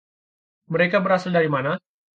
Mereka berasal dari mana?